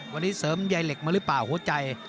วันนี้เสริมใยเหล็กมาหรือเปล่าหัวใจ